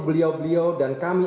beliau beliau dan kami